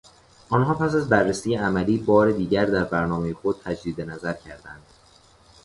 آنها پس از بررسی عملی، بار دیگر در برنامهٔ خود تجدید نظر کردند